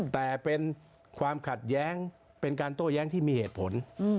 แต่เป็นความขัดแย้งเป็นการโต้แย้งที่มีเหตุผล